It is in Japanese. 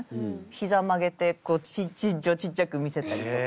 膝曲げてこう身長ちっちゃく見せたりとか。